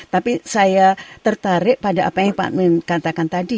tapi saya tertarik pada apa yang pak amin katakan tadi